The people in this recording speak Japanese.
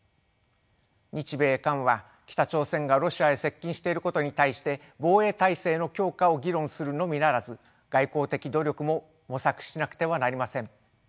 日米韓は北朝鮮がロシアへ接近していることに対して防衛体制の強化を議論するのみならず外交的努力も模索しなくてはなりません。